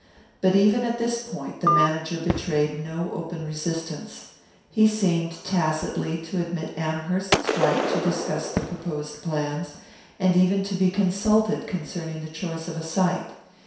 But even at this point the manager betrayed no open resistance; he seemed tacitly to admit Amherst's right to discuss the proposed plans, and even to be consulted concerning the choice of a site.